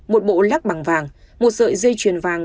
một bộ lắc bằng vàng một sợi dây chuyền vàng